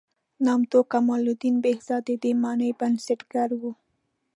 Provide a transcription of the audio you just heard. نامتو کمال الدین بهزاد د دې مانۍ بنسټګر و.